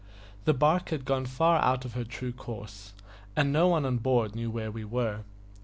The barque had gone far out of her true course, and no one on board knew where we were.